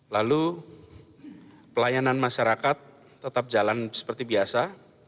lalu pelayanan masyarakat tetap jalan seperti biasa